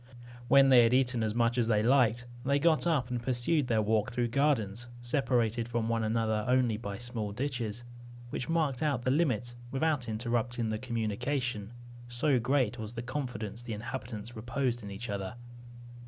When they had eaten as much as they liked, they got up, and pursued their walk through gardens separated from one another only by small ditches, which marked out the limits without interrupting the communication; so great was the confidence the inhabitants reposed in each other.